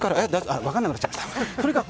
分かんなくなっちゃった。